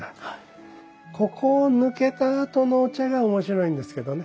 ここを抜けたあとのお茶が面白いんですけどね。